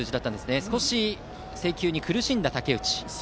少し制球に苦しんだ武内。